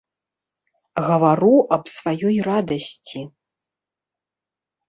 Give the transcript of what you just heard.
Гавару аб сваёй радасці.